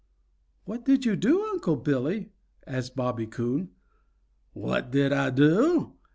"What did you do, Unc' Billy?" asked Bobby Coon. "What did Ah do?